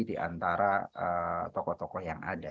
diantara tokoh tokoh yang ada